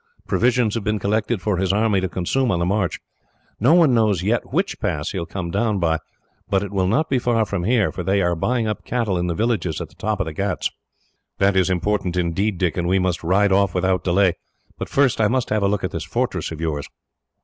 Provisions have been collected for his army to consume on the march. No one knows yet which pass he will come down by; but it will not be far from here, for they are buying up cattle in the villages at the top of the ghauts." "That is important, indeed, Dick, and we must ride off without delay; but first, I must have a look at this fortress of yours."